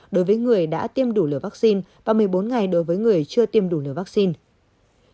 đối với người đã tiêm đủ liều vaccine và một mươi bốn ngày đối với người chưa tiêm đủ liều vaccine